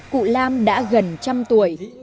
cụ lam đã gần trăm tuổi